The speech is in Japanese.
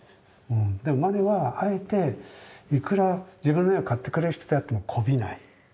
でもマネはあえていくら自分の絵を買ってくれる人であってもこびない。